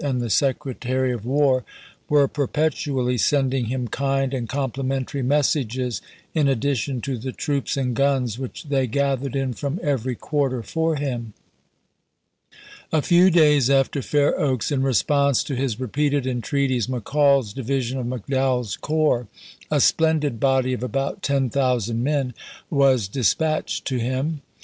and the Secretary of War were perpetually sending him kind and complimentary messages in addition to the troops and guns which they gathered in from every quarter for him. A few days after Fair Oaks, in response to his repeated entreaties, McCall's di vision of McDowell's corps, a splendid body of about ten thousand men, was dispatched to him.